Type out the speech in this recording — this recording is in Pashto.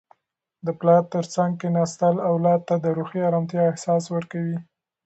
د پلار تر څنګ کښیناستل اولاد ته د روحي ارامتیا احساس ورکوي.